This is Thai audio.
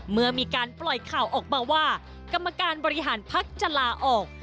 เมื่อมีการปล่อยข่าวออกมาว่ากรรมการบริหารพักจะลาออก